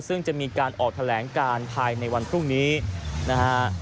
ซึ่งจะมีการออกแถลงการภายในวันพรุ่งนี้นะฮะ